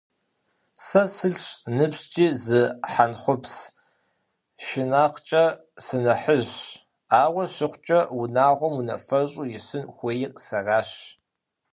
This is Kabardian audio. Сэ сылӏщ, ныбжькӏи зы хьэнтхъупс шынакъкӏэ сынэхъыжьщ, ауэ щыхъукӏэ, унагъуэм унафэщӏу исын хуейр сэращ.